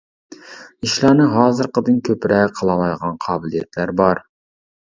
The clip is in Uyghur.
ئىشلارنى ھازىرقىدىن كۆپرەك قىلالايدىغان قابىلىيەتلەر بار.